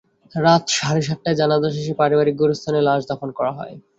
রাত সাড়ে সাতটায় জানাজা শেষে পারিবারিক গোরস্থানে লাশ দাফন করা হয়।